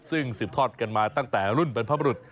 ซึ่งสืบทอดกันมาตั้งแต่รุ่นบรรพบรุษ